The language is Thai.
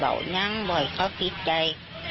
เพราะไม่เคยถามลูกสาวนะว่าไปทำธุรกิจแบบไหนอะไรยังไง